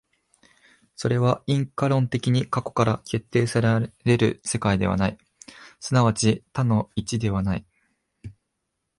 それは因果論的に過去から決定せられる世界ではない、即ち多の一ではない。